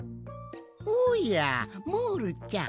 おやモールちゃん。